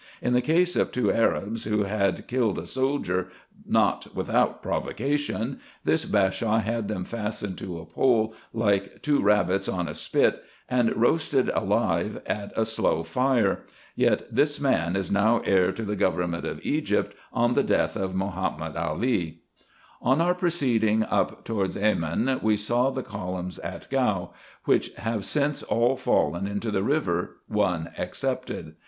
In the case of two Arabs, who had killed a soldier, not without provocation, this Bashaw had them fastened to a pole, like two rabbits on a spit, and roasted alive at a slow fire : yet this man is now heir to the government of Egypt on the death of Mahomet AIL * An Arab Sheik, who often decides trifling cases 32 RESEARCHES AND OPERATIONS On our proceeding up towards Acmin, we saw the columns at Gow ; which have since all fallen into the river, one excepted.